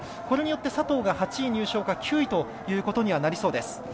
これによって佐藤が８位入賞か９位ということにはなりそうです。